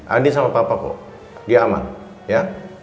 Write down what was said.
andien sama papa kok dia aman ya